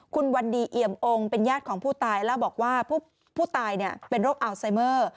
คุณวันดีเอี่ยมองค์เป็นญาติของผู้ตายเล่าบอกว่าผู้ตายเป็นโรคอัลไซเมอร์